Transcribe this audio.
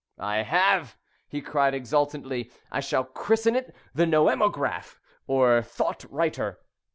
"I have," he cried exultantly. "I shall christen it the noemagraph, or thought writer.